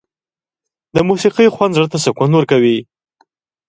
د موسيقۍ خوند زړه ته سکون ورکوي.